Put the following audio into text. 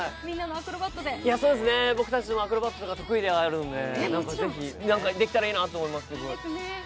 僕たちもアクロバットも得意ではあるので、何かできたらいいなと思います。